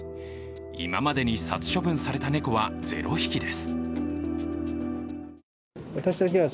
今までに殺処分された猫は０匹です